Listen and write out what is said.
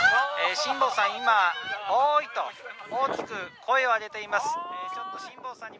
辛坊さん、今、おーいと大きく声を上げています。